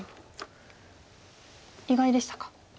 意外でしたか。